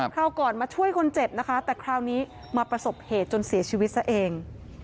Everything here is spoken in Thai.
คราวก่อนมาช่วยคนเจ็บนะคะแต่คราวนี้มาประสบเหตุจนเสียชีวิตซะเอง